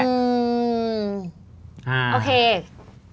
โอเค